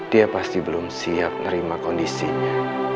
dia pasti belum siap nerima kondisinya